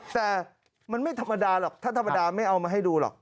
แต่มันไม่ธรรมดาหรอกท่านธรรมดาไม่เอามาให้ดูหรอก